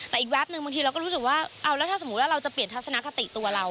แต่อีกแป๊บนึงบางทีเราก็รู้สึกว่าเอาแล้วถ้าสมมุติว่าเราจะเปลี่ยนทัศนคติตัวเรา